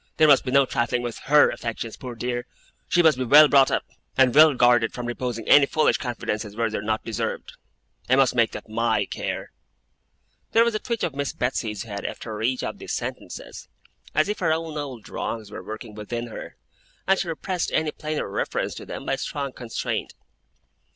There must be no trifling with HER affections, poor dear. She must be well brought up, and well guarded from reposing any foolish confidences where they are not deserved. I must make that MY care.' There was a twitch of Miss Betsey's head, after each of these sentences, as if her own old wrongs were working within her, and she repressed any plainer reference to them by strong constraint.